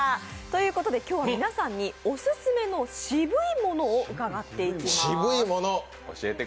ということで今日は皆さんに「オススメのシブいもの」を伺っていきます。